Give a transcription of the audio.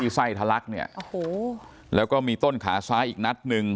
ไส้ทะลักเนี่ยโอ้โหแล้วก็มีต้นขาซ้ายอีกนัดหนึ่ง